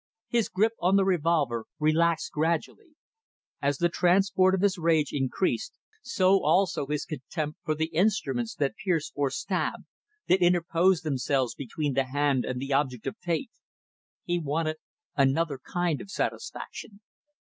His grip on the revolver relaxed gradually. As the transport of his rage increased, so also his contempt for the instruments that pierce or stab, that interpose themselves between the hand and the object of hate. He wanted another kind of satisfaction.